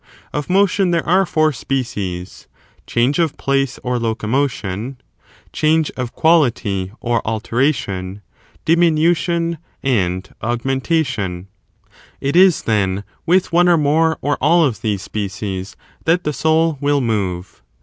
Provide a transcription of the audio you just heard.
Of motion there are four species, change of place or loco 3 motion, change of quality or alteration, diminution and augmenta Species of tion. It is, then, with one or more or all of these motion. species that the soul will move.